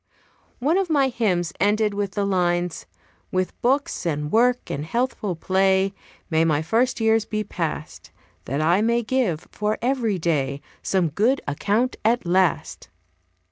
One of my hymns ended with the lines, "With books, and work, and healthful play, May my first years be passed, That I may give, for every day, Some good account at last."